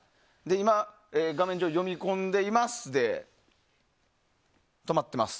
今、画面上読み込んでいますで止まってます。